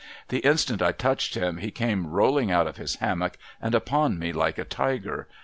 The instant I touched him he came rolling out of his hammock, and upon me like a tiger.